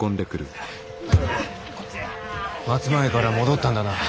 松前から戻ったんだな。